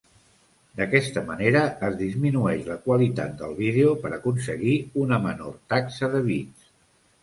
D'aquesta manera es disminueix la qualitat del vídeo per aconseguir una menor taxa de bits.